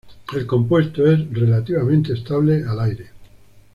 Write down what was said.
El compuesto es relativamente estable al aire.